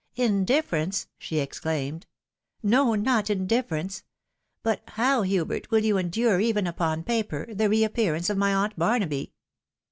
" Indifference?" she exclaimed; " no, not indifference. But how, Hubert, will you endure, even upon paper, the reappear ance of my aunt Barnaby